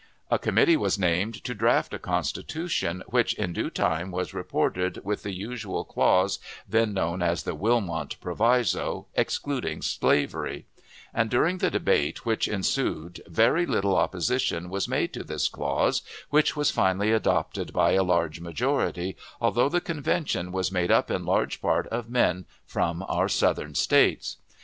A committee was named to draft a constitution, which in due time was reported, with the usual clause, then known as the Wilmot Proviso, excluding slavery; and during the debate which ensued very little opposition was made to this clause, which was finally adopted by a large majority, although the convention was made up in large part of men from our Southern States.